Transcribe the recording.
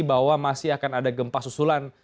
bahwa masih akan ada gempa susulan